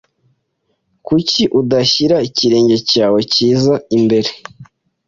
Kuki udashyira ikirenge cyawe cyiza imbere?